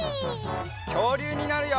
きょうりゅうになるよ！